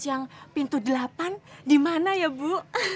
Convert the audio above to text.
yang pintu delapan di mana ya bu